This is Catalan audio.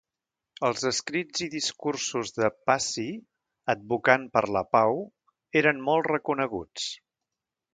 Els escrits i discursos de Passy advocant per la pau eren molt reconeguts.